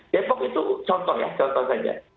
depok itu contoh ya contoh saja